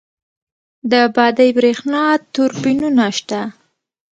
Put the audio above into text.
د بادی بریښنا توربینونه شته؟